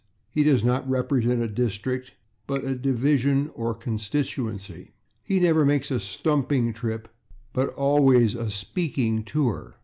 He does not represent a /district/, but a /division/ or /constituency/. He never makes a /stumping trip/, but always a /speaking tour